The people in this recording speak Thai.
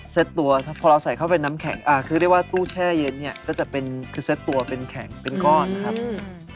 ตัวพอเราใส่เข้าไปน้ำแข็งอ่าคือเรียกว่าตู้แช่เย็นเนี่ยก็จะเป็นคือเซ็ตตัวเป็นแข็งเป็นก้อนครับอืม